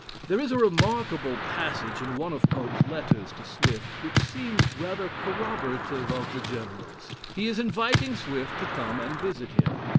There is a remarkable passage in one of Pope's letters to Swift, which seems rather corroborative of the General's. He is inviting Swift to come and visit him.